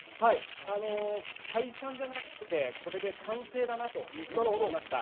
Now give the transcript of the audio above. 解散じゃなくて、これで完成だなと思いました。